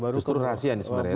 justru rahasia ini sebenarnya